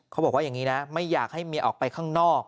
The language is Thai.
เขาบอกว่าอย่างนี้นะไม่อยากให้เมียออกไปข้างนอก